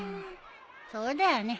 そうだよね。